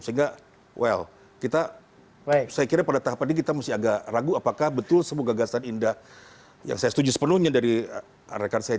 sehingga well kita saya kira pada tahapan ini kita mesti agak ragu apakah betul sebuah gagasan indah yang saya setuju sepenuhnya dari rekan saya